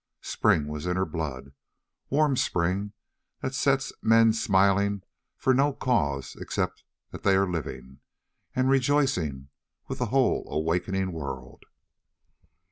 Spring was in her blood, warm spring that sets men smiling for no cause except that they are living, and rejoicing with the whole awakening world.